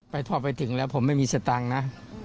พ่อไปถึงแล้วผมไม่มีสตังค์นะ